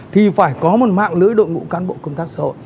thì phải có một mạng lưới đội ngũ cán bộ công tác xã hội